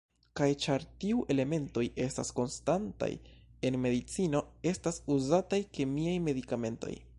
Kaj, ĉar tiu elementoj estas konstantaj, en medicino estas uzataj kemiaj medikamentoj.